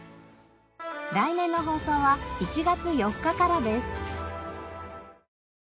来年の放送は１月４日からです。